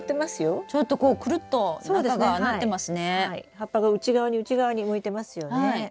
葉っぱが内側に内側に向いてますよね。